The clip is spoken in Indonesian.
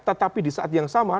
tetapi di saat yang sama